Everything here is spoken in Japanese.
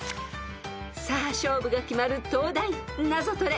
［さあ勝負が決まる東大ナゾトレ］